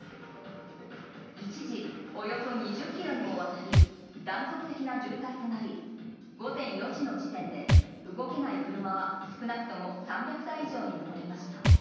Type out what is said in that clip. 一時およそ２０ｋｍにもわたり断続的な渋滞となり午前４時の時点で動けない車は少なくとも３００台以上に上りました。